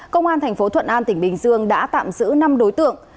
công an tp thuận an tỉnh bình dương đã tạm giữ năm đối tượng